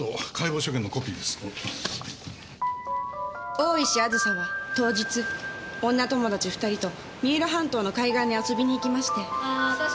大石あずさは当日女友達２人と三浦半島の海岸に遊びに行きまして。